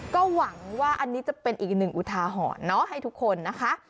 ก็หวังว่าอันนี้จะเป็นอีกหนึ่งอุทาหรณ์เนาะให้ทุกคนนะคะ